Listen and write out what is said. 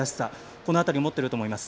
この辺りを持っていると思います。